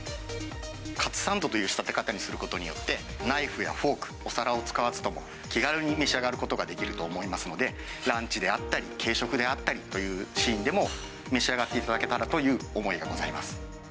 カツサンドという仕立て方にすることによって、ナイフやフォーク、お皿を使わずとも、気軽に召し上がることができると思いますので、ランチであったり、軽食であったりというシーンでも、召し上がっていただけたらという思いがございます。